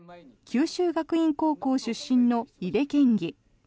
九州学院高校出身の井手県議。